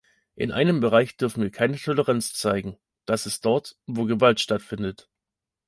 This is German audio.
In einem Bereich dürfen wir keine Toleranz zeigen, das ist dort, wo Gewalt stattfindet.